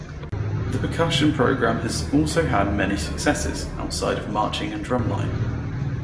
The percussion program has also had many successes outside of marching and drumline.